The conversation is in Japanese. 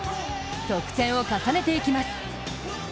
得点を重ねていきます。